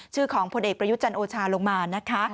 ชื่อของพลเอกประยุจันทร์โอชาลงมานะคะ